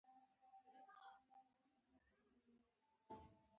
انسانان فلورېس جزیرې ته راغلل.